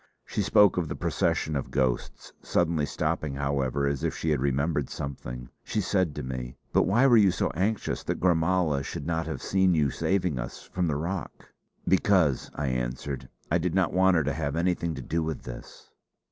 She spoke of the procession of ghosts; suddenly stopping, however, as if she had remembered something, she said to me: "But why were you so anxious that Gormala should not have seen you saving us from the rock?" "Because," I answered, "I did not want her to have anything to do with this."